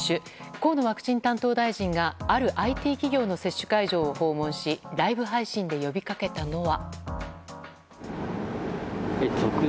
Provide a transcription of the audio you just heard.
河野ワクチン担当大臣があるＩＴ企業の接種会場を訪問しライブ配信で呼びかけたのは。